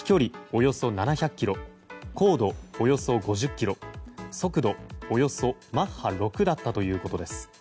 およそ７００ｋｍ高度およそ５０ｋｍ速度およそマッハ６だったということです。